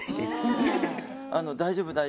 大丈夫大丈夫。